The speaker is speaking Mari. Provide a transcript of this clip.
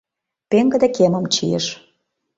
Пеҥгыде кемым чийыш.